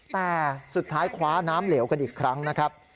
แต่สุดท้ายคว้าน้ำเหลวกันอีกครั้งนะครับ